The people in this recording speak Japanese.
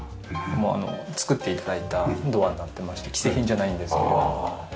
作って頂いたドアになってまして既製品じゃないんですけれども。